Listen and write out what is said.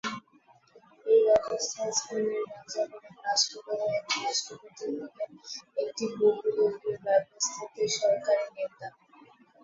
এই ব্যবস্থায় স্পেনের রাজা হলেন রাষ্ট্রপ্রধান এবং রাষ্ট্রপতি হলেন একটি বহুদলীয় ব্যবস্থাতে সরকারি নেতা।